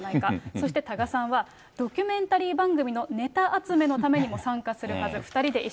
そして多賀さんは、ドキュメンタリー番組のネタ集めのためにも参加するはず。